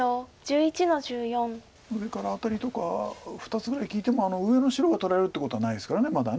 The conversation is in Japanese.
上からアタリとか２つぐらい利いても上の白が取られるってことはないですからまだ。